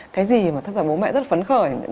cái gì mà thật ra bố mẹ rất là phấn khởi